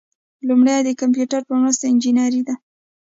لومړی د کمپیوټر په مرسته انجنیری ده.